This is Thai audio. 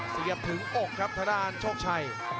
เสียบถึงอกครับทางด้านโชคชัย